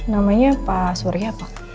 namanya pak surya pak